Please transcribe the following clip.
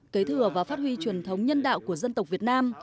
kế thừa và phát huy truyền thống nhân đạo của dân tộc việt nam